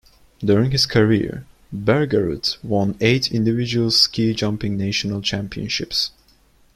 During his career, Bergerud won eight individual ski jumping national championships.